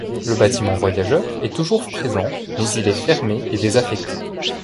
Le bâtiment voyageurs est toujours présent mais il est fermé et désaffecté.